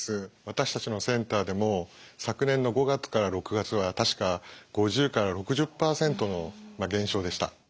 私たちのセンターでも昨年の５月から６月は確か５０から６０％の減少でした。